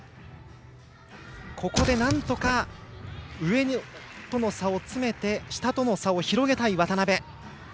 ここでなんとか上との差を詰めて下との差を広げたい渡部。